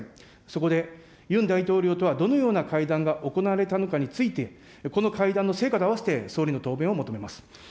そこでユン大統領とはどのような会談が行われたのかについて、この会談の成果と合わせて、総理の答弁を求めます。